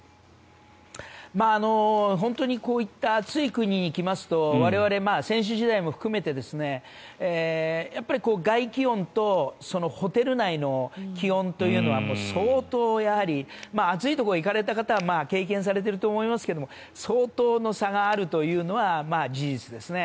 本当にこういった暑い国に来ますと我々、選手も含めて外気温とホテル内の気温は相当やはり暑いところに行かれた方は経験していると思いますが相当の差があるというのは事実ですね。